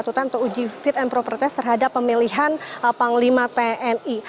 jadi ini adalah satu satunya peraturan untuk uji fit and proper test terhadap pemilihan panglima tni